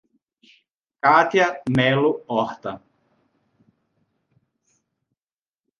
Kátia Melo Horta